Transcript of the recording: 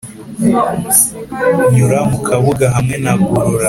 Nyura mu Kabuga hamwe na Gorora